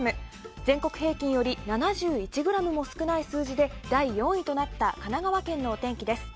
全国平均より７１ｇも少ない数字で第４位となった神奈川県のお天気です。